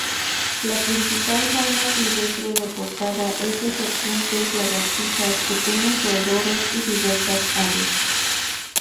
La principal fauna silvestre reportada es de serpientes, lagartijas, pequeños roedores y diversas aves.